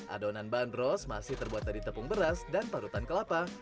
adonan bandros masih terbuat dari tepung beras dan parutan kelapa